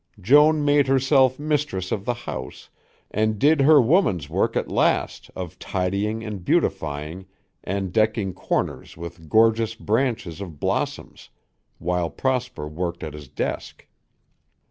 Joan made herself mistress of the house and did her woman's work at last of tidying and beautifying and decking corners with gorgeous branches of blossoms while Prosper worked at his desk.